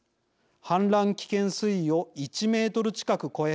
氾濫危険水位を１メートル近く超え